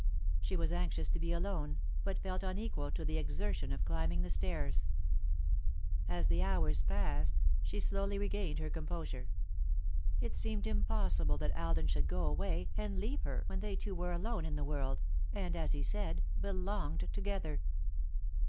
She was anxious to be alone, but felt unequal to the exertion of climbing the stairs. [Sidenote: The Pictured Face] As the hours passed, she slowly regained her composure. It seemed impossible that Alden should go away and leave her when they two were alone in the world, and, as he said, belonged together.